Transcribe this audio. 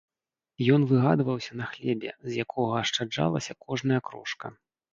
Ён выгадаваўся на хлебе, з якога ашчаджалася кожная крошка.